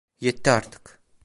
Yetti artık.